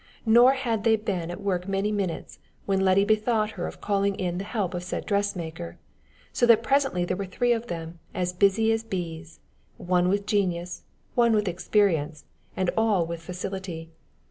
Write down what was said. Nor had they been at work many minutes, when Letty bethought her of calling in the help of the said dressmaker; so that presently there were three of them busy as bees one with genius, one with experience, and all with facility.